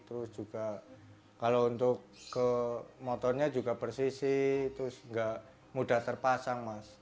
terus juga kalau untuk ke motornya juga persisi terus nggak mudah terpasang mas